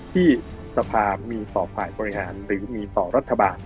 ที่สภามีต่อฝ่ายบริหารหรือมีต่อรัฐบาล